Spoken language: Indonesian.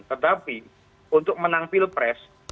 tetapi untuk menang pilpres